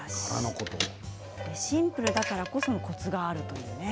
シンプルだからこそコツがあるという。